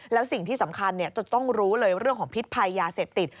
แล้วสิ่งที่สำคัญจะต้องรู้เลยเรื่องของพิษภัยยาเสพติด